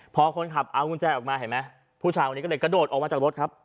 พอคนขับเอากุญแจออกมาเห็นไหมผู้ชายคนนี้ก็เลยกระโดดออกมาจากรถครับ